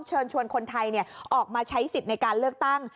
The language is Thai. เชิญชวนคนไทยออกมาใช้สิทธิ์ในการเลือกตั้ง